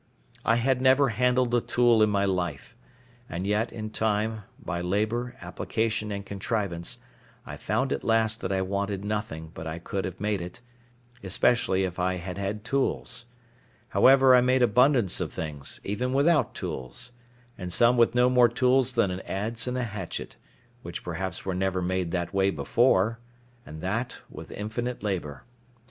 I had never handled a tool in my life; and yet, in time, by labour, application, and contrivance, I found at last that I wanted nothing but I could have made it, especially if I had had tools. However, I made abundance of things, even without tools; and some with no more tools than an adze and a hatchet, which perhaps were never made that way before, and that with infinite labour.